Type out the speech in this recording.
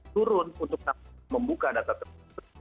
turun untuk membuka data tersebut